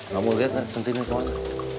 kamu lihat sentinya kemana